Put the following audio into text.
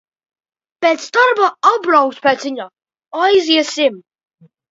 Pēc darba atbraukšu pēc viņa, aiziesim.